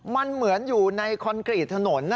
มันเหมือนอยู่ในคอนกรีตถนน